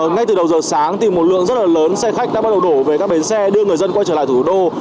ngay từ đầu giờ sáng thì một lượng rất là lớn xe khách đã bắt đầu đổ về các bến xe đưa người dân quay trở lại thủ đô